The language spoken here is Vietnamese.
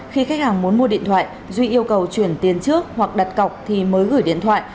khi khách hàng muốn mua điện thoại duy yêu cầu chuyển tiền trước hoặc đặt cọc thì mới gửi điện thoại